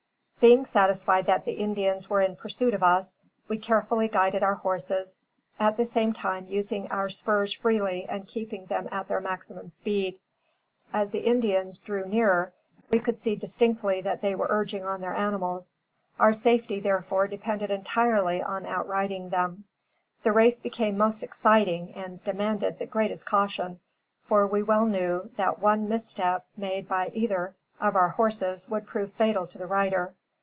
Being satisfied that the Indians were in pursuit of us, we carefully guided our horses, at the same time using our spurs freely and keeping them at their maximum speed. As the Indians drew nearer, we could see distinctly that they were urging on their animals. Our safety, therefore, depended entirely on outriding them. The race became most exciting, and demanded the greatest caution, for we well knew, that one misstep made by either of our horses, would prove fatal to the rider.